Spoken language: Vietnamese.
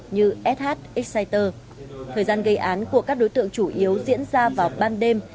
như sh exciter thời gian gây án của các đối tượng chủ yếu diễn ra vào ban đêm